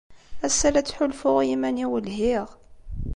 Ass-a, la ttḥulfuɣ i yiman-inu lhiɣ.